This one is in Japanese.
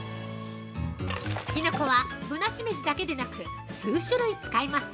きのこは、ぶなしめじだけでなく、数種類使います。